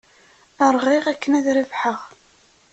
Rɣiɣ akken ad rebḥeɣ.